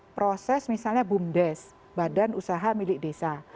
proses misalnya bumdes badan usaha milik desa